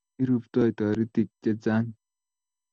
iruptoi toritik chechang